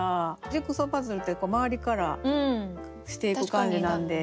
ジグソーパズルって周りからしていく感じなので。